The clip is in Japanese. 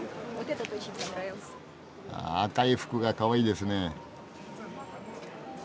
あ赤い服がかわいいですね。